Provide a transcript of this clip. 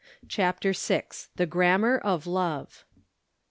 CHAPTER VI. THE GRAMMAR OF LOVE.